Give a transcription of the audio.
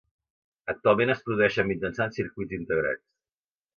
Actualment es produeixen mitjançant circuits integrats.